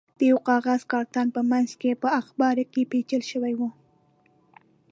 د یوه کاغذي کارتن په منځ کې په اخبار کې پېچل شوی و.